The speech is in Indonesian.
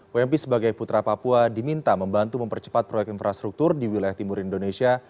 wmp sebagai putra papua diminta membantu mempercepat proyek infrastruktur di wilayah timur indonesia